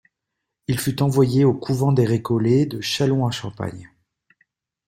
Il fut envoyé au couvent des Récollets de Châlons-en-Champagne.